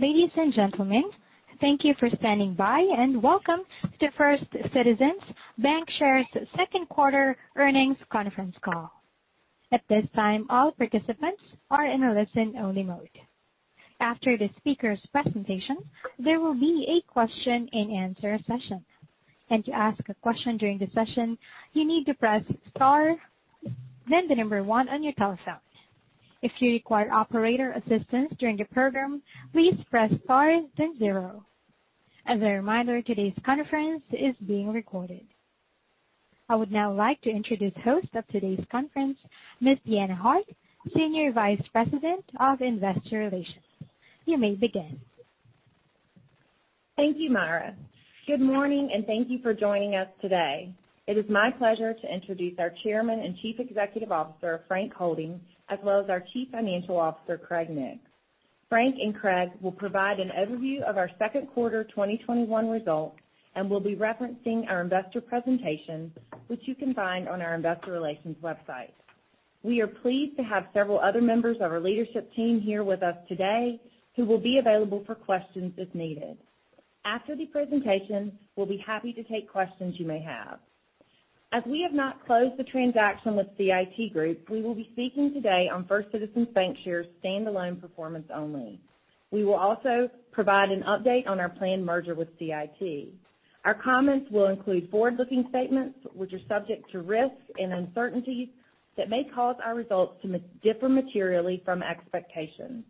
Ladies and gentlemen, thank you for standing by and welcome to First Citizens BancShares' Second Quarter Earnings Conference Call. At this time, all participants are in a listen-only mode. After the speaker's presentation, there will be a question-and-answer session, and to ask a question during the session, you need to press star, then the number one on your telephone. If you require operator assistance during the program, please press star then zero. As a reminder, today's conference is being recorded. I would now like to introduce the host of today's conference, Miss Deanna Hart, Senior Vice President of Investor Relations. You may begin. Thank you, Myra. Good morning, and thank you for joining us today. It is my pleasure to introduce our Chairman and Chief Executive Officer, Frank Holding, as well as our Chief Financial Officer, Craig Nix. Frank and Craig will provide an overview of our second quarter 2021 results and will be referencing our investor presentation, which you can find on our investor relations website. We are pleased to have several other members of our leadership team here with us today, who will be available for questions if needed. After the presentation, we'll be happy to take questions you may have. As we have not closed the transaction with CIT Group, we will be speaking today on First Citizens BancShares' standalone performance only. We will also provide an update on our planned merger with CIT. Our comments will include forward-looking statements, which are subject to risks and uncertainties that may cause our results to differ materially from expectations.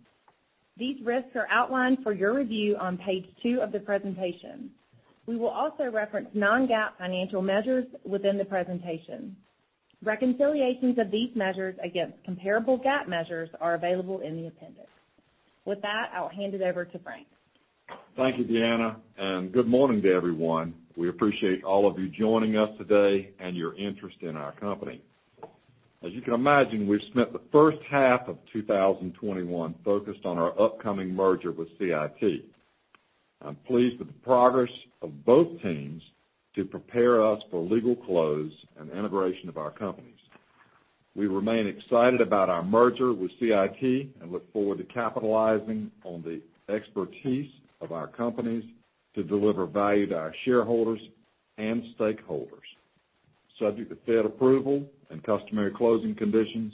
These risks are outlined for your review on page two of the presentation. We will also reference non-GAAP financial measures within the presentation. Reconciliations of these measures against comparable GAAP measures are available in the appendix. With that, I'll hand it over to Frank. Thank you, Deanna, and good morning to everyone. We appreciate all of you joining us today and your interest in our company. As you can imagine, we've spent the first half of 2021 focused on our upcoming merger with CIT. I'm pleased with the progress of both teams to prepare us for legal close and integration of our companies. We remain excited about our merger with CIT and look forward to capitalizing on the expertise of our companies to deliver value to our shareholders and stakeholders. Subject to Fed approval and customary closing conditions,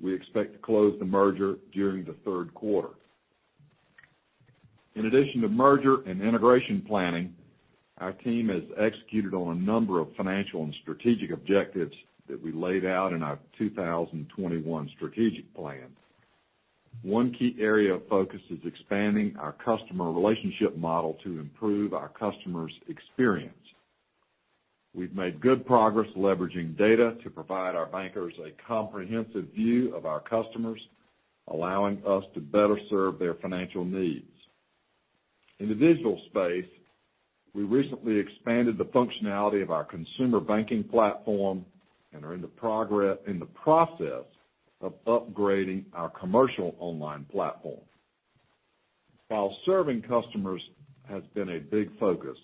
we expect to close the merger during the third quarter. In addition to merger and integration planning, our team has executed on a number of financial and strategic objectives that we laid out in our 2021 strategic plan. One key area of focus is expanding our customer relationship model to improve our customers' experience. We've made good progress leveraging data to provide our bankers a comprehensive view of our customers, allowing us to better serve their financial needs. In the digital space, we recently expanded the functionality of our consumer banking platform and are in the process of upgrading our commercial online platform. While serving customers has been a big focus,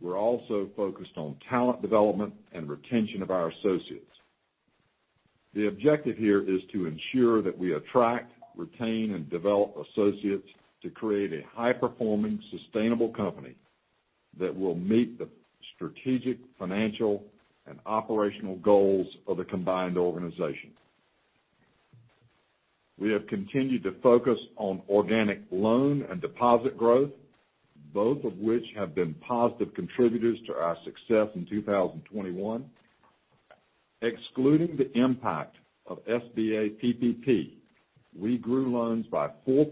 we're also focused on talent development and retention of our associates. The objective here is to ensure that we attract, retain, and develop associates to create a high-performing, sustainable company that will meet the strategic, financial, and operational goals of the combined organization. We have continued to focus on organic loan and deposit growth, both of which have been positive contributors to our success in 2021. Excluding the impact of SBA PPP, we grew loans by 4%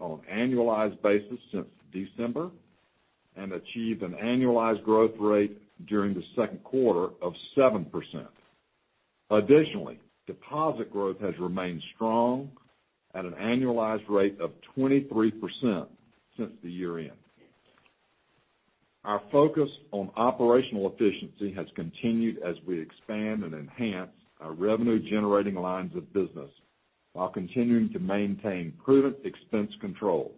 on an annualized basis since December and achieved an annualized growth rate during the second quarter of 7%. Additionally, deposit growth has remained strong at an annualized rate of 23% since the year-end. Our focus on operational efficiency has continued as we expand and enhance our revenue-generating lines of business while continuing to maintain prudent expense control.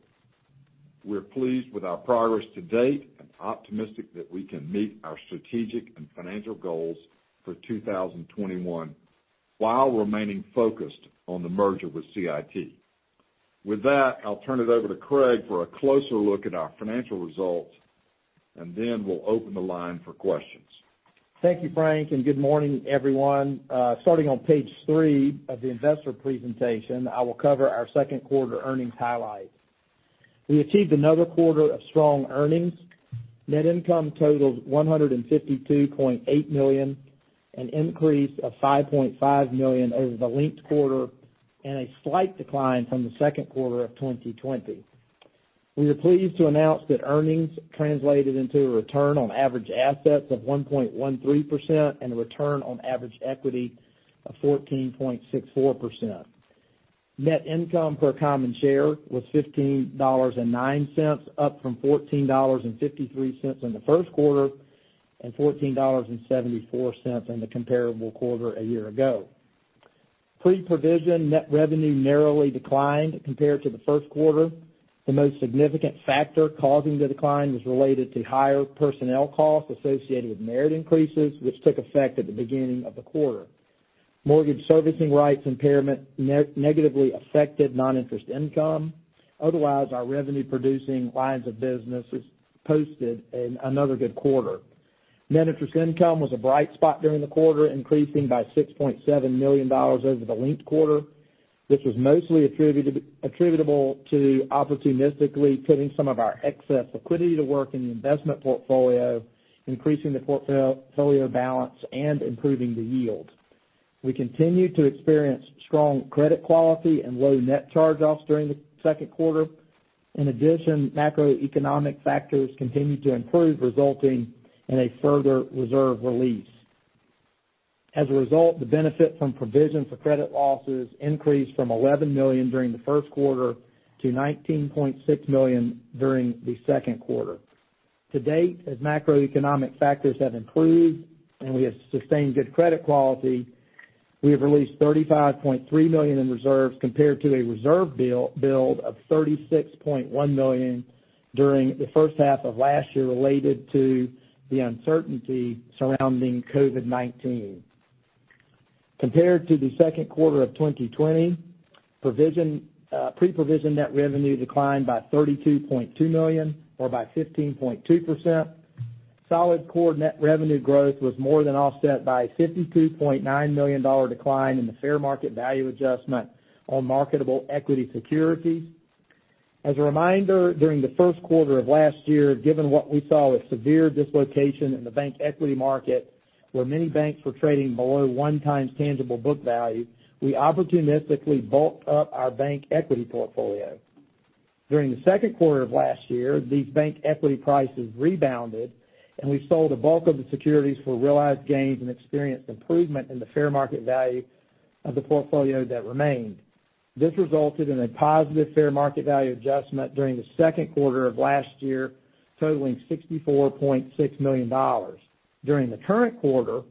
We're pleased with our progress to date and optimistic that we can meet our strategic and financial goals for 2021, while remaining focused on the merger with CIT. With that, I'll turn it over to Craig for a closer look at our financial results, and then we'll open the line for questions. Thank you, Frank, and good morning, everyone. Starting on Page 3 of the investor presentation, I will cover our second quarter earnings highlights. We achieved another quarter of strong earnings. Net income totaled $152.8 million, an increase of $5.5 million over the linked quarter and a slight decline from the second quarter of 2020. We are pleased to announce that earnings translated into a return on average assets of 1.13% and a return on average equity of 14.64%. Net income per common share was $15.09, up from $14.53 in the first quarter and $14.74 in the comparable quarter a year ago. Pre-provision net revenue narrowly declined compared to the first quarter. The most significant factor causing the decline was related to higher personnel costs associated with merit increases, which took effect at the beginning of the quarter. Mortgage servicing rights impairment negatively affected non-interest income. Otherwise, our revenue producing lines of business has posted another good quarter. Net interest income was a bright spot during the quarter, increasing by $6.7 million over the linked quarter. This was mostly attributable to opportunistically putting some of our excess liquidity to work in the investment portfolio, increasing the portfolio balance, and improving the yield. We continued to experience strong credit quality and low net charge-offs during the second quarter. In addition, macroeconomic factors continued to improve, resulting in a further reserve release. As a result, the benefit from provision for credit losses increased from $11 million during the first quarter to $19.6 million during the second quarter. To date, as macroeconomic factors have improved and we have sustained good credit quality, we have released $35.3 million in reserves compared to a reserve build of $36.1 million during the first half of last year, related to the uncertainty surrounding COVID-19. Compared to the second quarter of 2020, provision pre-provision net revenue declined by $32.2 million, or by 15.2%. Solid core net revenue growth was more than offset by a $52.9 million decline in the fair market value adjustment on marketable equity securities. As a reminder, during the first quarter of last year, given what we saw with severe dislocation in the bank equity market, where many banks were trading below one times tangible book value, we opportunistically bulked up our bank equity portfolio. During the second quarter of last year, these bank equity prices rebounded, and we sold a bulk of the securities for realized gains and experienced improvement in the fair market value of the portfolio that remained. This resulted in a positive fair market value adjustment during the second quarter of last year, totaling $64.6 million. During the current quarter,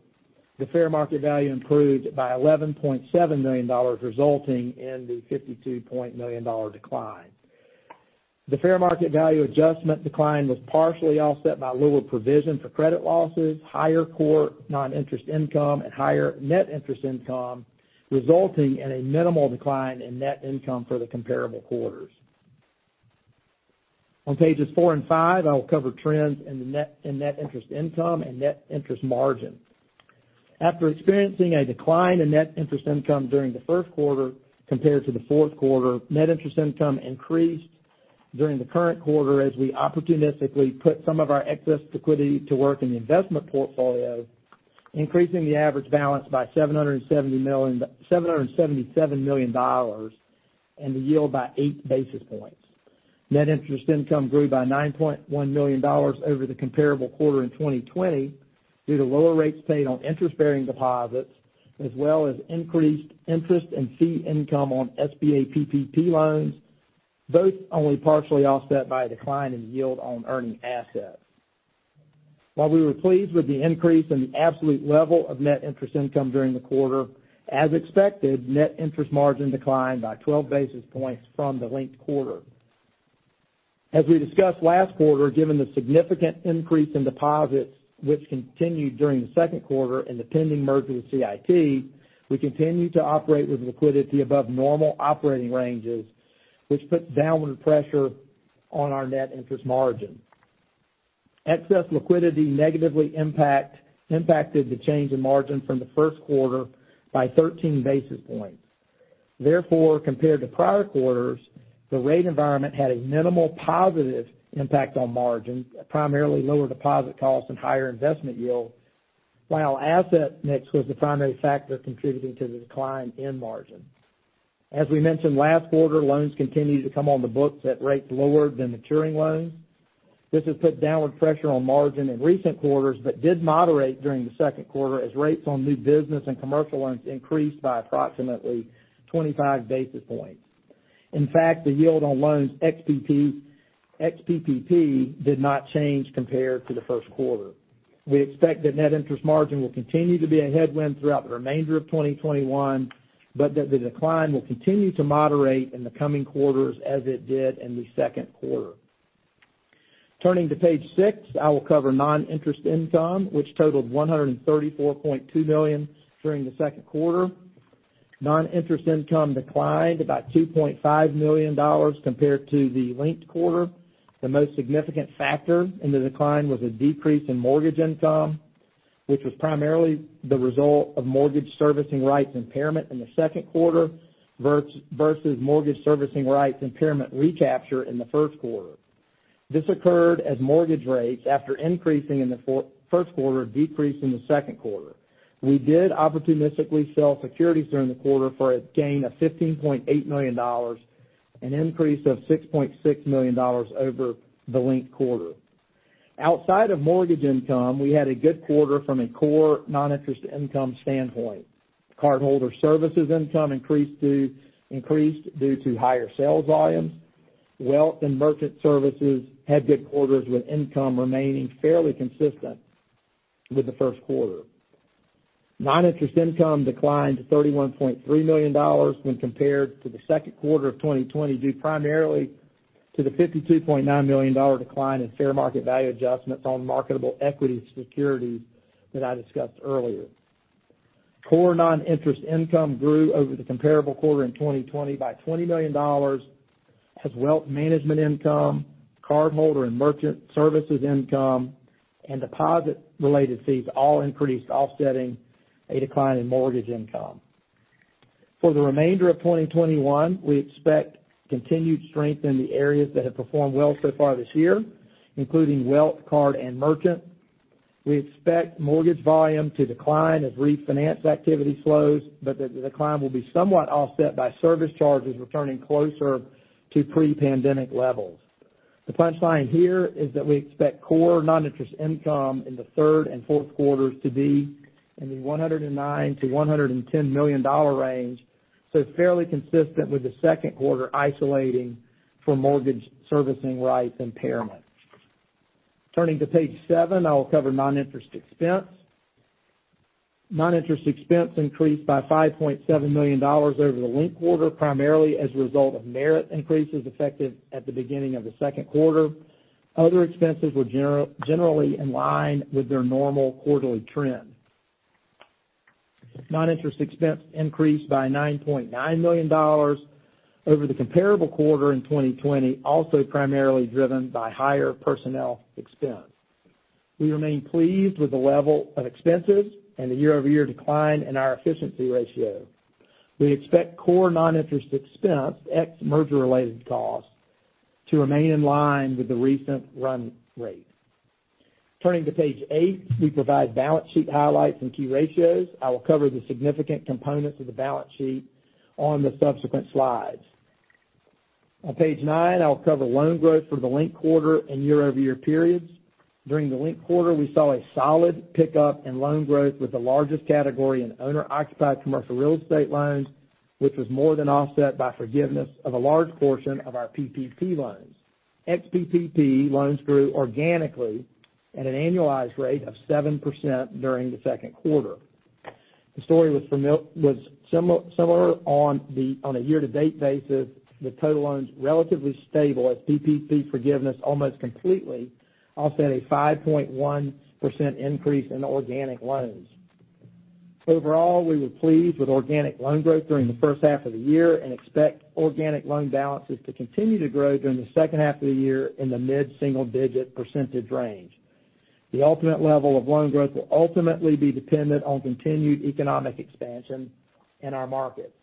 the fair market value improved by $11.7 million, resulting in the $52.9 million dollar decline. The fair market value adjustment decline was partially offset by lower provision for credit losses, higher core non-interest income, and higher net interest income, resulting in a minimal decline in net income for the comparable quarters. On pages four and five, I will cover trends in the net interest income and net interest margin. After experiencing a decline in net interest income during the first quarter compared to the fourth quarter, net interest income increased during the current quarter as we opportunistically put some of our excess liquidity to work in the investment portfolio, increasing the average balance by $777 million and the yield by 8 basis points. Net interest income grew by $9.1 million over the comparable quarter in 2020, due to lower rates paid on interest-bearing deposits, as well as increased interest and fee income on SBA PPP loans, both only partially offset by a decline in yield on earning assets. While we were pleased with the increase in the absolute level of net interest income during the quarter, as expected, net interest margin declined by twelve basis points from the linked quarter. As we discussed last quarter, given the significant increase in deposits, which continued during the second quarter and the pending merger with CIT, we continued to operate with liquidity above normal operating ranges, which puts downward pressure on our net interest margin. Excess liquidity negatively impact, impacted the change in margin from the first quarter by 13 basis points. Therefore, compared to prior quarters, the rate environment had a minimal positive impact on margin, primarily lower deposit costs and higher investment yield, while asset mix was the primary factor contributing to the decline in margin. As we mentioned last quarter, loans continued to come on the books at rates lower than maturing loans. This has put downward pressure on margin in recent quarters, but did moderate during the second quarter as rates on new business and commercial loans increased by approximately 25 basis points. In fact, the yield on loans PPP did not change compared to the first quarter. We expect that net interest margin will continue to be a headwind throughout the remainder of 2021, but that the decline will continue to moderate in the coming quarters as it did in the second quarter. Turning to page six, I will cover non-interest income, which totaled $134.2 million during the second quarter. Non-interest income declined about $2.5 million compared to the linked quarter. The most significant factor in the decline was a decrease in mortgage income, which was primarily the result of mortgage servicing rights impairment in the second quarter, versus mortgage servicing rights impairment recapture in the first quarter. This occurred as mortgage rates, after increasing in the first quarter, decreased in the second quarter. We did opportunistically sell securities during the quarter for a gain of $15.8 million, an increase of $6.6 million over the linked quarter. Outside of mortgage income, we had a good quarter from a core non-interest income standpoint. Cardholder services income increased due to higher sales volumes. Wealth and merchant services had good quarters, with income remaining fairly consistent with the first quarter. Non-interest income declined to $31.3 million when compared to the second quarter of 2020, due primarily to the $52.9 million dollar decline in fair market value adjustments on marketable equity securities that I discussed earlier. Core non-interest income grew over the comparable quarter in 2020 by $20 million, as wealth management income, cardholder and merchant services income, and deposit-related fees all increased, offsetting a decline in mortgage income. For the remainder of 2021, we expect continued strength in the areas that have performed well so far this year, including wealth, card, and merchant. We expect mortgage volume to decline as refinance activity slows, but the decline will be somewhat offset by service charges returning closer to pre-pandemic levels. The punchline here is that we expect core non-interest income in the third and fourth quarters to be in the $109 million-$110 million range, so fairly consistent with the second quarter, isolating for mortgage servicing rights impairment. Turning to Page seven, I will cover non-interest expense. Non-interest expense increased by $5.7 million over the linked quarter, primarily as a result of merit increases effective at the beginning of the second quarter. Other expenses were generally in line with their normal quarterly trend. Non-interest expense increased by $9.9 million over the comparable quarter in 2020, also primarily driven by higher personnel expense. We remain pleased with the level of expenses and the year-over-year decline in our efficiency ratio. We expect core non-interest expense, ex merger-related costs, to remain in line with the recent run rate. Turning to Page 8, we provide balance sheet highlights and key ratios. I will cover the significant components of the balance sheet on the subsequent slides. On Page 9, I'll cover loan growth for the linked quarter and year-over-year periods. During the linked quarter, we saw a solid pickup in loan growth, with the largest category in owner-occupied commercial real estate loans, which was more than offset by forgiveness of a large portion of our PPP loans. Ex-PPP loans grew organically at an annualized rate of 7% during the second quarter. The story was similar on a year-to-date basis, with total loans relatively stable as PPP forgiveness almost completely offset a 5.1% increase in organic loans. Overall, we were pleased with organic loan growth during the first half of the year and expect organic loan balances to continue to grow during the second half of the year in the mid-single-digit percentage range. The ultimate level of loan growth will ultimately be dependent on continued economic expansion in our markets.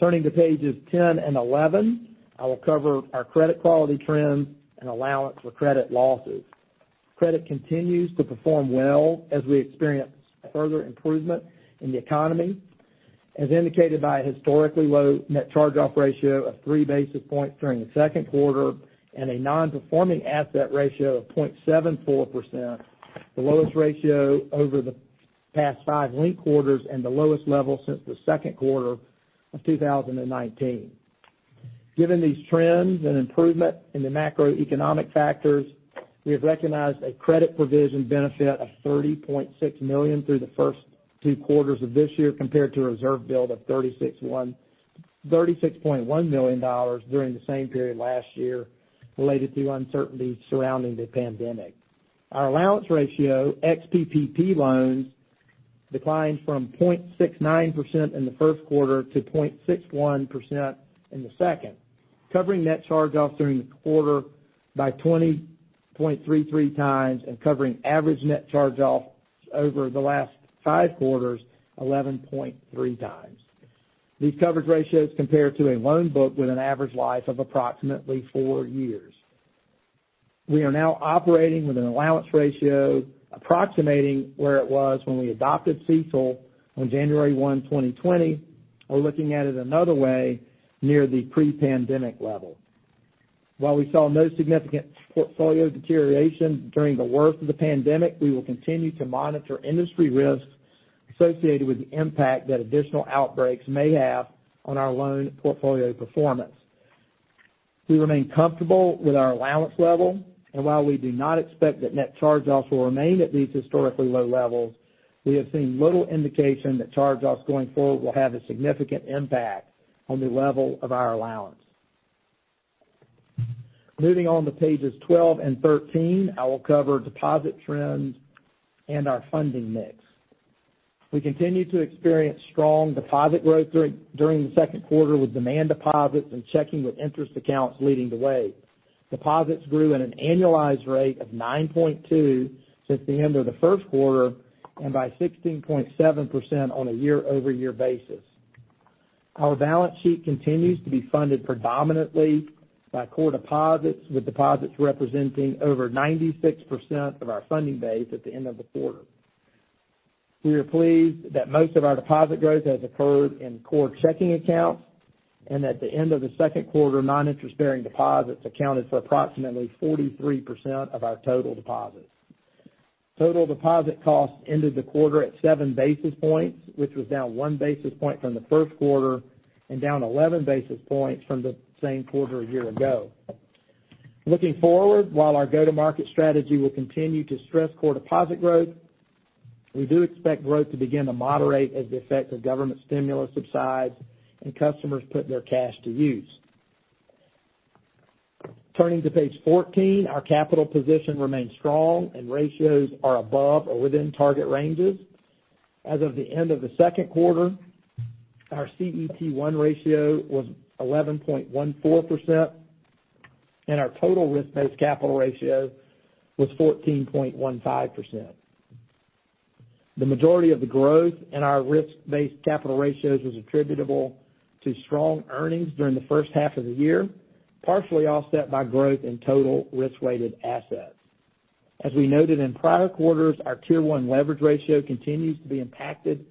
Turning to Pages 10 and 11, I will cover our credit quality trends and allowance for credit losses. Credit continues to perform well as we experience further improvement in the economy, as indicated by a historically low net charge-off ratio of three basis points during the second quarter and a non-performing asset ratio of 0.74%, the lowest ratio over the past five linked quarters and the lowest level since the second quarter of 2019. Given these trends and improvement in the macroeconomic factors, we have recognized a credit provision benefit of $30.6 million through the first two quarters of this year, compared to a reserve build of $36.1 million during the same period last year, related to uncertainties surrounding the pandemic. Our allowance ratio, ex-PPP loans, declined from 0.69% in the first quarter to 0.61% in the second, covering net charge-offs during the quarter by 20.33 times and covering average net charge-offs over the last five quarters, 11.3x. These coverage ratios compare to a loan book with an average life of approximately four years. We are now operating with an allowance ratio approximating where it was when we adopted CECL on January 1, 2020, or looking at it another way, near the pre-pandemic level. While we saw no significant portfolio deterioration during the worst of the pandemic, we will continue to monitor industry risks associated with the impact that additional outbreaks may have on our loan portfolio performance. We remain comfortable with our allowance level, and while we do not expect that net charge-offs will remain at these historically low levels, we have seen little indication that charge-offs going forward will have a significant impact on the level of our allowance. Moving on to Pages 12 and 13, I will cover deposit trends and our funding mix. We continued to experience strong deposit growth during the second quarter, with demand deposits and checking with interest accounts leading the way. Deposits grew at an annualized rate of 9.2% since the end of the first quarter and by 16.7% on a year-over-year basis. Our balance sheet continues to be funded predominantly by core deposits, with deposits representing over 96% of our funding base at the end of the quarter. We are pleased that most of our deposit growth has occurred in core checking accounts, and at the end of the second quarter, non-interest-bearing deposits accounted for approximately 43% of our total deposits. Total deposit costs ended the quarter at seven basis points, which was down one basis point from the first quarter and down 11 basis points from the same quarter a year ago. Looking forward, while our go-to-market strategy will continue to stress core deposit growth, we do expect growth to begin to moderate as the effect of government stimulus subsides and customers put their cash to use. Turning to Page 14, our capital position remains strong and ratios are above or within target ranges. As of the end of the second quarter, our CET1 ratio was 11.14%, and our total risk-based capital ratio was 14.15%. The majority of the growth in our risk-based capital ratios was attributable to strong earnings during the first half of the year, partially offset by growth in total risk-weighted assets. As we noted in prior quarters, our Tier 1 leverage ratio continues to be impacted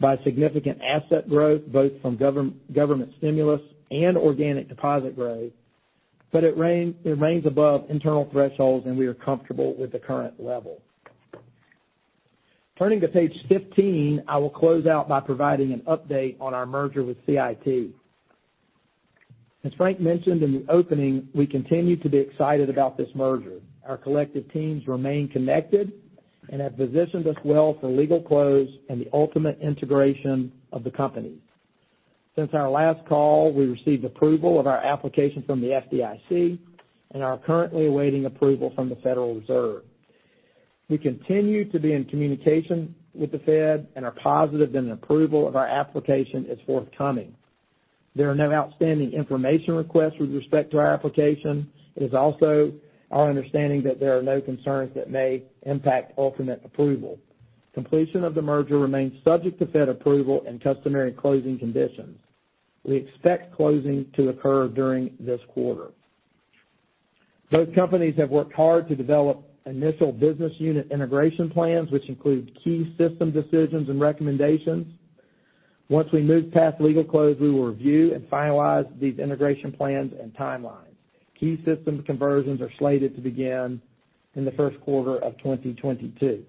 by significant asset growth, both from government stimulus and organic deposit growth, but it remains above internal thresholds, and we are comfortable with the current level. Turning to Page 15, I will close out by providing an update on our merger with CIT. As Frank mentioned in the opening, we continue to be excited about this merger. Our collective teams remain connected and have positioned us well for legal close and the ultimate integration of the company. Since our last call, we received approval of our application from the FDIC and are currently awaiting approval from the Federal Reserve. We continue to be in communication with the Fed and are positive that an approval of our application is forthcoming. There are no outstanding information requests with respect to our application. It is also our understanding that there are no concerns that may impact ultimate approval. Completion of the merger remains subject to Fed approval and customary closing conditions. We expect closing to occur during this quarter. Both companies have worked hard to develop initial business unit integration plans, which include key system decisions and recommendations. Once we move past legal close, we will review and finalize these integration plans and timelines. Key systems conversions are slated to begin in the first quarter of 2022.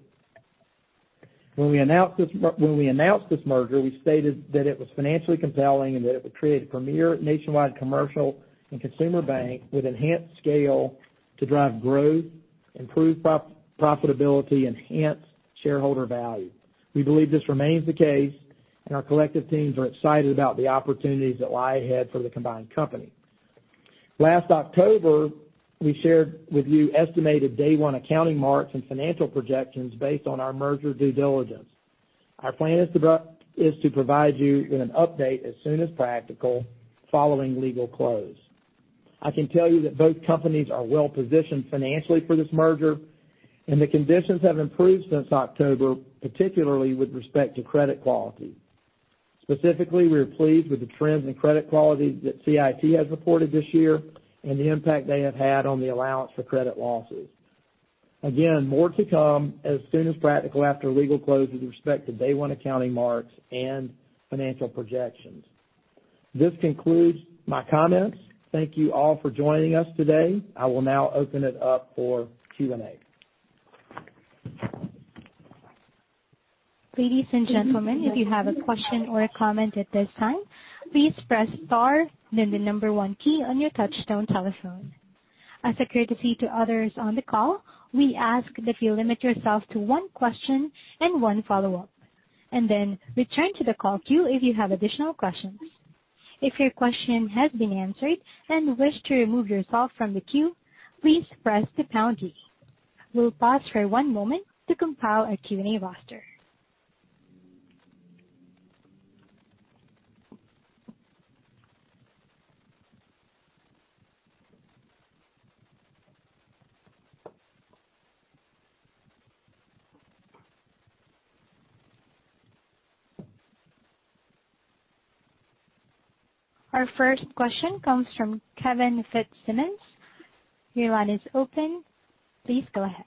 When we announced this merger, we stated that it was financially compelling and that it would create a premier nationwide commercial and consumer bank with enhanced scale to drive growth, improve profitability, enhance shareholder value. We believe this remains the case, and our collective teams are excited about the opportunities that lie ahead for the combined company. Last October, we shared with you estimated day one accounting marks and financial projections based on our merger due diligence. Our plan is to provide you with an update as soon as practical, following legal close. I can tell you that both companies are well positioned financially for this merger, and the conditions have improved since October, particularly with respect to credit quality. Specifically, we are pleased with the trends in credit quality that CIT has reported this year and the impact they have had on the allowance for credit losses. Again, more to come as soon as practical after legal close, with respect to day one accounting marks and financial projections. This concludes my comments. Thank you all for joining us today. I will now open it up for Q&A. Ladies and gentlemen, if you have a question or a comment at this time, please press star, then the number one key on your touchtone telephone. As a courtesy to others on the call, we ask that you limit yourself to one question and one follow-up, and then return to the call queue if you have additional questions. If your question has been answered and wish to remove yourself from the queue, please press the pound key. We'll pause for one moment to compile a Q&A roster. Our first question comes from Kevin Fitzsimmons. Your line is open. Please go ahead.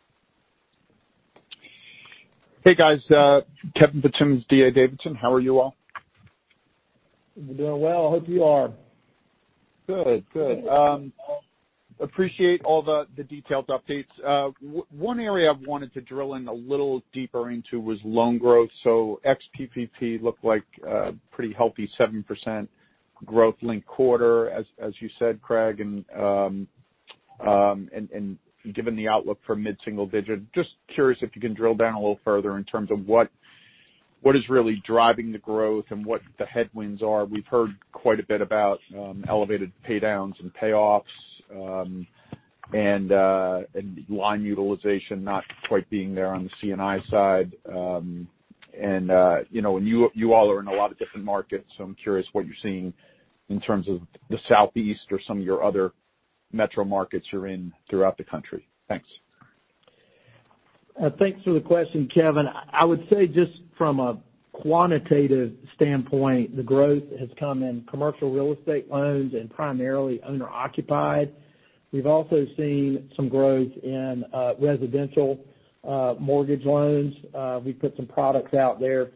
Hey, guys, Kevin Fitzsimmons, D.A. Davidson. How are you all? Doing well. I hope you are. Good, good. Appreciate all the, the detailed updates. One area I wanted to drill in a little deeper into was loan growth. So ex-PPP looked like a pretty healthy 7% growth linked quarter, as you said, Craig, and given the outlook for mid-single digit, just curious if you can drill down a little further in terms of what is really driving the growth and what the headwinds are. We've heard quite a bit about elevated pay downs and payoffs, and line utilization not quite being there on the C&I side. You know, and you all are in a lot of different markets, so I'm curious what you're seeing in terms of the Southeast or some of your other metro markets you're in throughout the country. Thanks. Thanks for the question, Kevin. I would say just from a quantitative standpoint, the growth has come in commercial real estate loans and primarily owner-occupied. We've also seen some growth in residential mortgage loans. We put some products out there,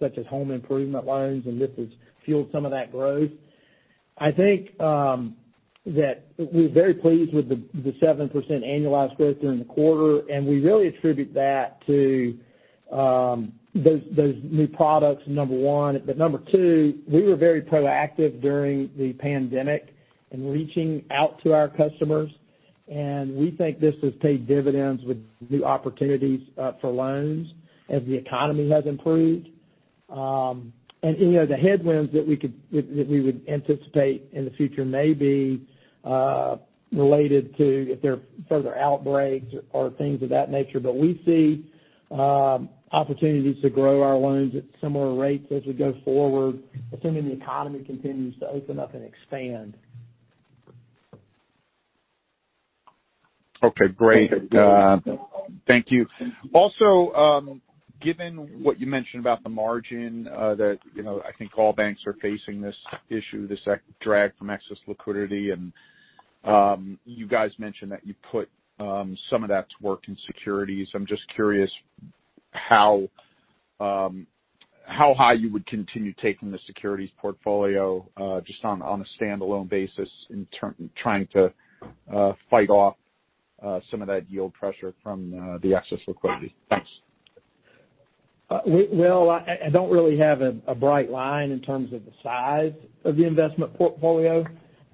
such as home improvement loans, and this has fueled some of that growth. I think that we're very pleased with the 7% annualized growth during the quarter, and we really attribute that to those new products, number one, but number two, we were very proactive during the pandemic in reaching out to our customers, and we think this has paid dividends with new opportunities for loans as the economy has improved. And, you know, the headwinds that we would anticipate in the future may be related to if there are further outbreaks or things of that nature. But we see opportunities to grow our loans at similar rates as we go forward, assuming the economy continues to open up and expand. Okay, great. Thank you. Also, given what you mentioned about the margin, that, you know, I think all banks are facing this issue, this asset drag from excess liquidity, and, you guys mentioned that you put some of that to work in securities. I'm just curious how high you would continue taking the securities portfolio, just on a standalone basis trying to fight off some of that yield pressure from the excess liquidity? Thanks. I don't really have a bright line in terms of the size of the investment portfolio.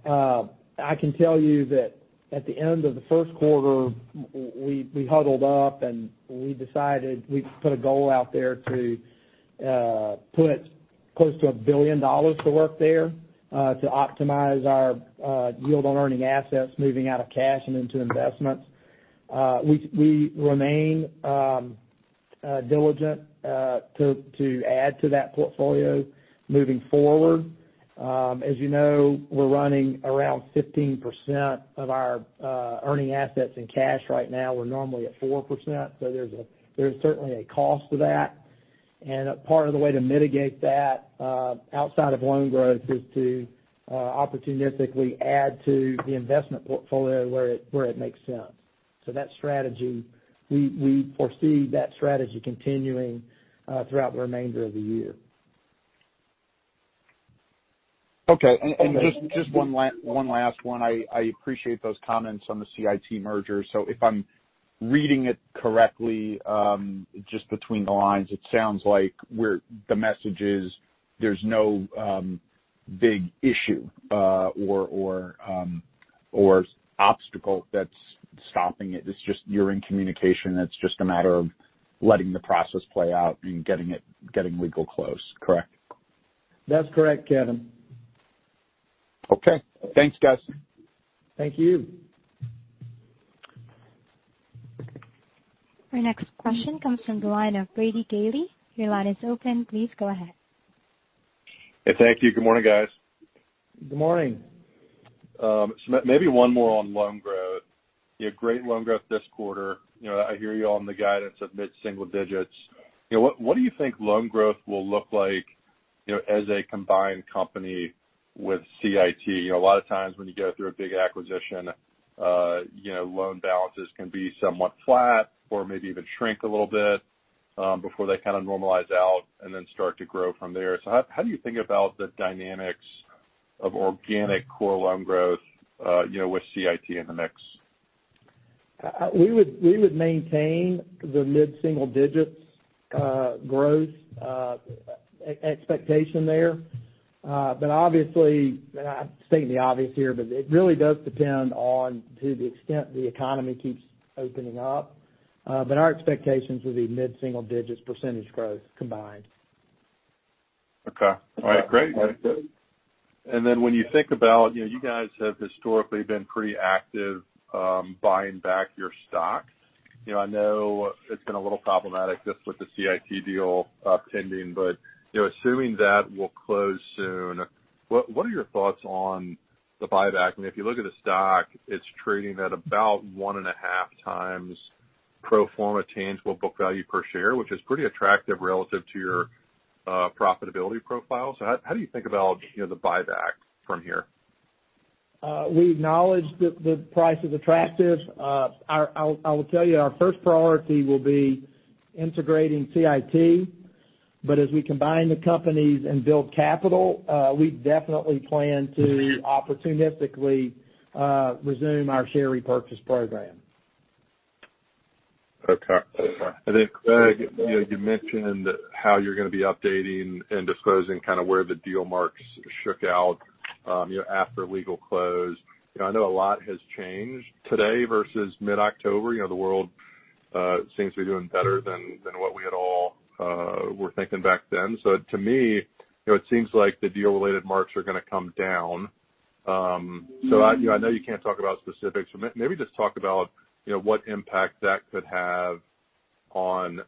I can tell you that at the end of the first quarter, we huddled up, and we decided, we put a goal out there to put close to $1 billion to work there to optimize our yield on earning assets, moving out of cash and into investments. We remain diligent to add to that portfolio moving forward. As you know, we're running around 15% of our earning assets in cash right now. We're normally at 4%, so there's certainly a cost to that. And a part of the way to mitigate that, outside of loan growth is to opportunistically add to the investment portfolio where it makes sense. So that strategy, we foresee that strategy continuing throughout the remainder of the year. Okay. Okay. Just one last one. I appreciate those comments on the CIT merger. So if I'm reading it correctly, just between the lines, it sounds like the message is, there's no big issue or obstacle that's stopping it. It's just you're in communication, it's just a matter of letting the process play out and getting it legally close, correct? That's correct, Kevin. Okay. Thanks, guys. Thank you. Our next question comes from the line of Brady Gailey. Your line is open. Please go ahead. Hey, thank you. Good morning, guys. Good morning. Maybe one more on loan growth. You had great loan growth this quarter. You know, I hear you on the guidance of mid-single digits. You know, what do you think loan growth will look like, you know, as a combined company with CIT? You know, a lot of times when you go through a big acquisition, you know, loan balances can be somewhat flat or maybe even shrink a little bit, before they kind of normalize out and then start to grow from there. So how do you think about the dynamics of organic core loan growth, you know, with CIT in the mix? We would maintain the mid-single digits growth expectation there. But obviously, and I'm stating the obvious here, but it really does depend on the extent the economy keeps opening up. But our expectations would be mid-single digits percentage growth combined. Okay. All right, great. All right, good. And then when you think about, you know, you guys have historically been pretty active, buying back your stocks. You know, I know it's been a little problematic just with the CIT deal, pending, but, you know, assuming that will close soon, what are your thoughts on the buyback? I mean, if you look at the stock, it's trading at about one and a half times pro forma tangible book value per share, which is pretty attractive relative to your, profitability profile. So how do you think about, you know, the buyback from here? We acknowledge that the price is attractive. Our first priority will be integrating CIT, but as we combine the companies and build capital, we definitely plan to opportunistically resume our share repurchase program. Okay. I think, you know, you mentioned how you're going to be updating and disclosing kind of where the deal marks shook out, you know, after legal close. You know, I know a lot has changed today versus mid-October. You know, the world seems to be doing better than what we had all were thinking back then. So to me, you know, it seems like the deal-related marks are going to come down. So I, you know, I know you can't talk about specifics, so maybe just talk about, you know, what impact that could have on,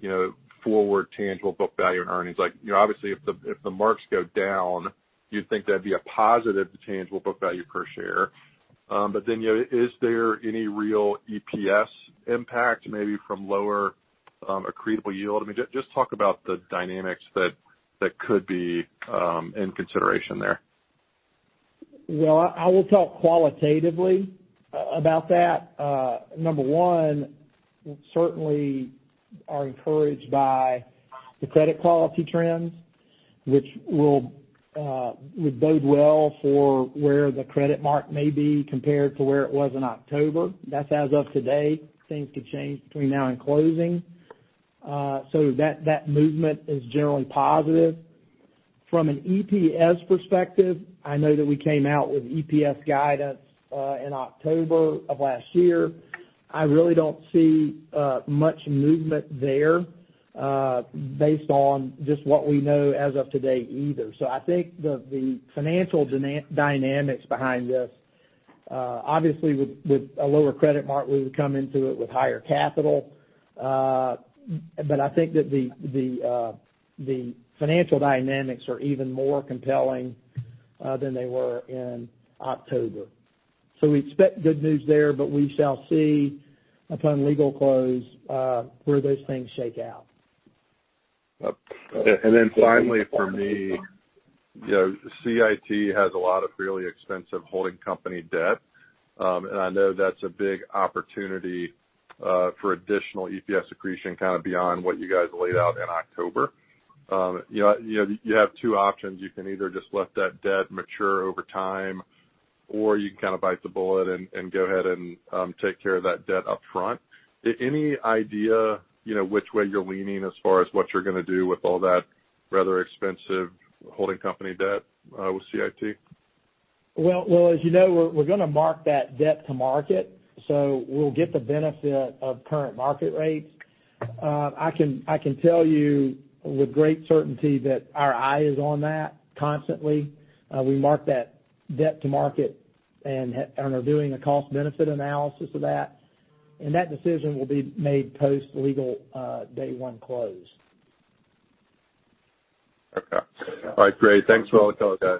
you know, forward tangible book value and earnings. Like, you know, obviously, if the marks go down, you'd think that'd be a positive to tangible book value per share. But then, you know, is there any real EPS impact, maybe from lower accretable yield? I mean, just talk about the dynamics that could be in consideration there. Well, I will talk qualitatively about that. Number one, we certainly are encouraged by the credit quality trends, which would bode well for where the credit mark may be compared to where it was in October. That's as of today. Things could change between now and closing. So that movement is generally positive.... From an EPS perspective, I know that we came out with EPS guidance in October of last year. I really don't see much movement there, based on just what we know as of today either. So I think the financial dynamics behind this, obviously, with a lower credit mark, we would come into it with higher capital. But I think that the financial dynamics are even more compelling than they were in October. We expect good news there, but we shall see upon legal close, where those things shake out. And then finally, for me, you know, CIT has a lot of really expensive holding company debt, and I know that's a big opportunity for additional EPS accretion, kind of beyond what you guys laid out in October. You know, you know, you have two options. You can either just let that debt mature over time, or you can kind of bite the bullet and go ahead and take care of that debt upfront. Any idea, you know, which way you're leaning as far as what you're going to do with all that rather expensive holding company debt with CIT? Well, as you know, we're going to mark that debt to market, so we'll get the benefit of current market rates. I can tell you with great certainty that our eye is on that constantly. We mark that debt to market and are doing a cost-benefit analysis of that, and that decision will be made post-legal day one close. Okay. All right, great. Thanks for all the details, guys.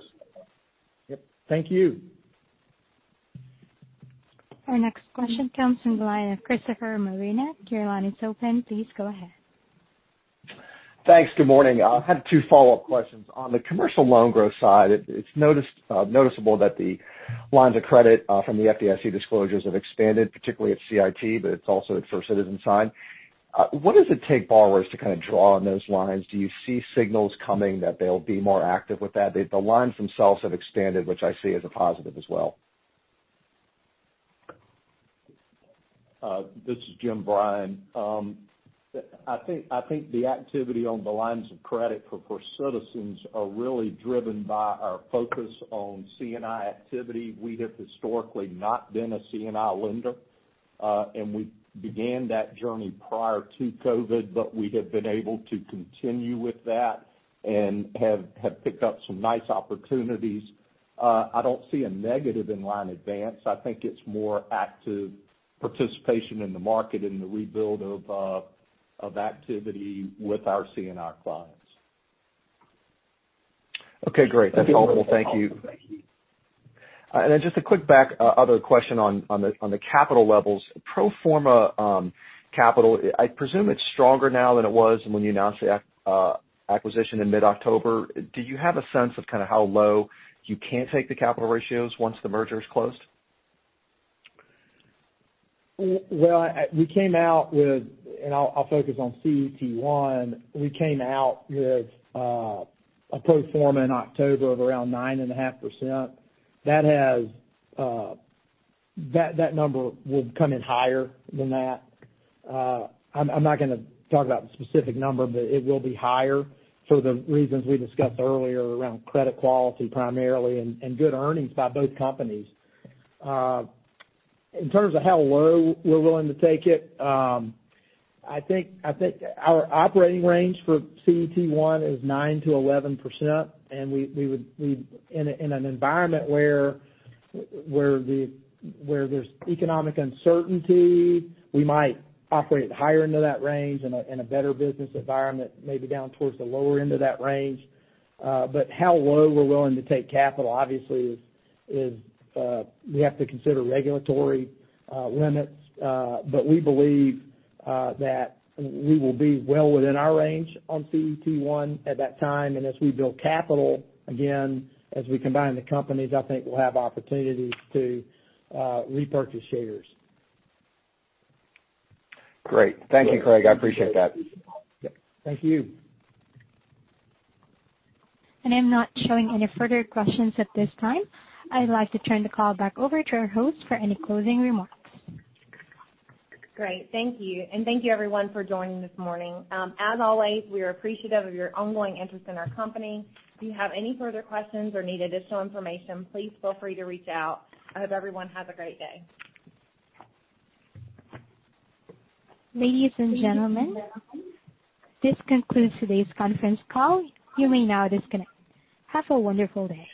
Yep, thank you. Our next question comes from the line of Christopher Marinac. Your line is open. Please go ahead. Thanks. Good morning. I have two follow-up questions. On the commercial loan growth side, it's noticeable that the lines of credit from the FDIC disclosures have expanded, particularly at CIT, but it's also at First Citizens side. What does it take borrowers to kind of draw on those lines? Do you see signals coming that they'll be more active with that? The lines themselves have expanded, which I see as a positive as well. This is Jim Bryan. I think the activity on the lines of credit for First Citizens are really driven by our focus on C&I activity. We have historically not been a C&I lender, and we began that journey prior to COVID, but we have been able to continue with that and have picked up some nice opportunities. I don't see a negative in line advance. I think it's more active participation in the market in the rebuild of activity with our C&I clients. Okay, great. That's all. Well, thank you. And then just a quick back, other question on the capital levels. Pro forma capital, I presume it's stronger now than it was when you announced the acquisition in mid-October. Do you have a sense of kind of how low you can take the capital ratios once the merger is closed? We came out with, and I'll focus on CET1. We came out with a pro forma in October of around 9.5%. That has, that number will come in higher than that. I'm not going to talk about the specific number, but it will be higher for the reasons we discussed earlier around credit quality, primarily, and good earnings by both companies. In terms of how low we're willing to take it, I think our operating range for CET1 is 9%-11%, and we would in an environment where there's economic uncertainty, we might operate higher into that range, in a better business environment, maybe down towards the lower end of that range. But how low we're willing to take capital, obviously, is we have to consider regulatory limits. But we believe that we will be well within our range on CET1 at that time. And as we build capital, again, as we combine the companies, I think we'll have opportunities to repurchase shares. Great. Thank you, Craig. I appreciate that. Yep. Thank you. And I'm not showing any further questions at this time. I'd like to turn the call back over to our host for any closing remarks. Great. Thank you. And thank you everyone for joining this morning. As always, we are appreciative of your ongoing interest in our company. If you have any further questions or need additional information, please feel free to reach out. I hope everyone has a great day. Ladies and gentlemen, this concludes today's conference call. You may now disconnect. Have a wonderful day.